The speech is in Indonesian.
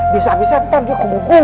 bisa bisa ntar dia kebuku roh